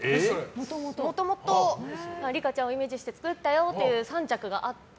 もともと梨花ちゃんをイメージして作ったよっていう３着があって。